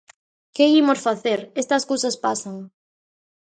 Que lle imos facer, estas cousas pasan.